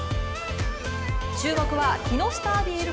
注目は木下アビエル